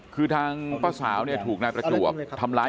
คือทางป้าสาวเนี่ยถูกนายประจวบทำร้าย